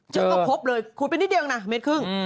เจ้าก็พบเลยขุดไปนิดเดียวนะเม็ดครึ่ง